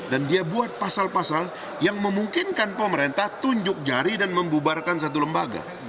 dan dia buat pasal pasal yang memungkinkan pemerintah tunjuk jari dan membubarkan satu lembaga